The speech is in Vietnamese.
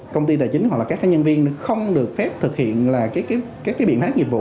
công ty tài chính hoặc là các nhân viên không được phép thực hiện các biện pháp nghiệp vụ